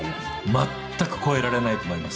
全く超えられないと思います